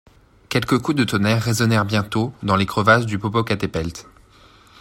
Quelques coups de tonnerre résonnèrent bientôt dans les crevasses du Popocatepelt.